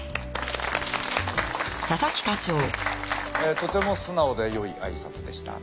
とても素直でよい挨拶でしたね。